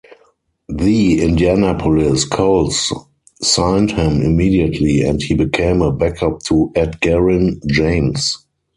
The Indianapolis Colts signed him immediately, and he became a backup to Edgerrin James.